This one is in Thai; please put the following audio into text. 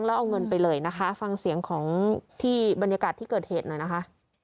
แล้วเอาเงินไปเลยนะคะฟังเสียงของที่บรรยากาศที่เกิดเหตุหน่อยนะคะ